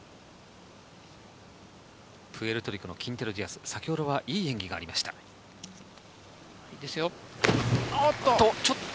プエルトリコのキンテロ・ディアス、先ほどはいい演技おっと。